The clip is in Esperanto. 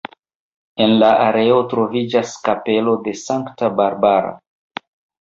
En la areo troviĝas kapelo de sankta Barbara.